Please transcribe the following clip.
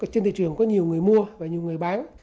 trên thị trường có nhiều người mua và nhiều người bán